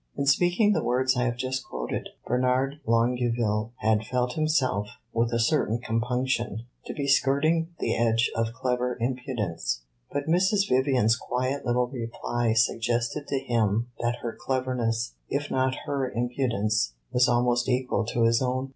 In speaking the words I have just quoted, Bernard Longueville had felt himself, with a certain compunction, to be skirting the edge of clever impudence; but Mrs. Vivian's quiet little reply suggested to him that her cleverness, if not her impudence, was almost equal to his own.